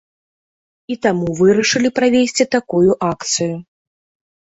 І таму вырашылі правесці такую акцыю.